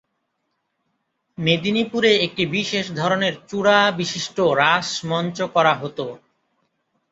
মেদিনীপুরে একটি বিশেষ ধরনের চূড়া বিশিষ্ঠ রাস মঞ্চ করা হতো।